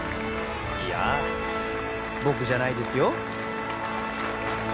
いやあ僕じゃないですよ